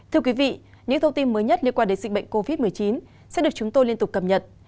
thưa quý vị những thông tin mới nhất liên quan đến dịch bệnh covid một mươi chín sẽ được chúng tôi liên tục cập nhật